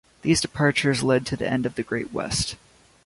These departures led to the end of the Great West.